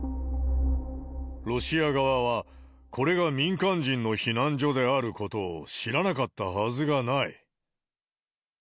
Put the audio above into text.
ロシア側は、これが民間人の避難所であることを知らなかったはずがない。